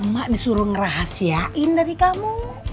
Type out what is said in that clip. mak disuruh ngerahasiain dari kamu